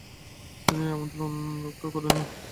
তিনি ঐ আমন্ত্রণরক্ষা করেননি।